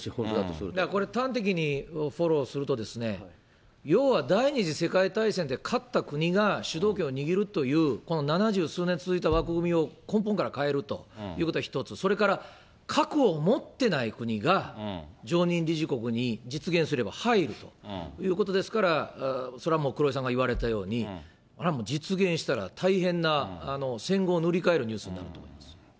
これ、端的にフォローすると、要は第２次世界大戦で勝った国が主導権を握るという、この七十数年続いた枠組みを根本から変えるということが一つ、それから核を持ってない国が常任理事国に実現すれば入るということですから、それはもう、黒井さんが言われたように、実現したら大変な戦後を塗り替えるニュースになると思います。